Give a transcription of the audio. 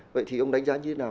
vậy thì ông đánh giá như thế nào